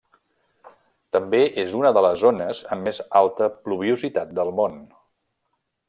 També és una de les zones amb més alta pluviositat del món.